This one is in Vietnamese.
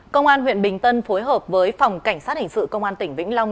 công an huyện bình tân phối hợp với phòng cảnh sát hình sự công an tỉnh vĩnh long